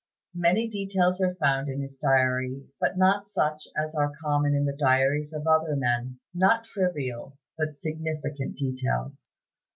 Many details are found in his diaries, but not such as are common in the diaries of other men, not trivial but significant details.